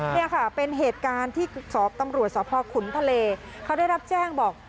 นี่ค่ะเป็นเหตุการณ์ที่ตำรวจสพขุนทะเลเขาได้รับแจ้งบอก